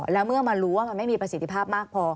แล้วเมื่อมารู้ว่ามันไม่มีประสิทธิภาพมากพอ